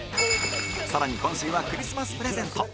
更に今週はクリスマスプレゼント